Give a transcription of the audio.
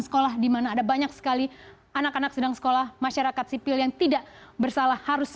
sekolah dimana ada banyak sekali anak anak sedang sekolah masyarakat sipil yang tidak bersalah harus